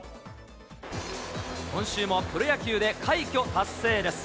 今週もプロ野球で快挙達成です。